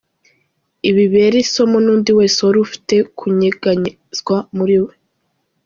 Ibi bibere isomo n'undi wese wari ufite kunyeganyezwa muri we.